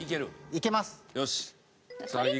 いけます。